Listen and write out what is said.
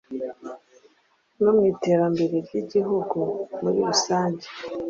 no ku iterambere ry’igihugu muri rusange?